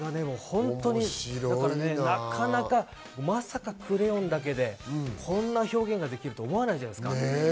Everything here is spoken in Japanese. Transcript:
まさかクレヨンだけで、こんな表現ができるだなんて思わないじゃないですか。